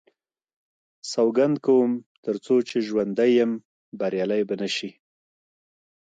سوګند کوم تر څو چې ژوندی یم بریالی به نه شي.